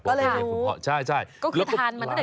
ก็คือทำมาตั้งแต่เด็ก